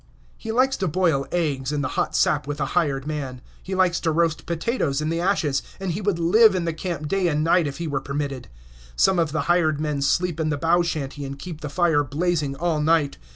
He likes to boil eggs in the hot sap with the hired man; he likes to roast potatoes in the ashes, and he would live in the camp day and night if he were permitted. Some of the hired men sleep in the bough shanty and keep the fire blazing all night.